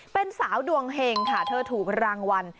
เป็นสาวดวงเห็งค่ะเธอถูกรางวัล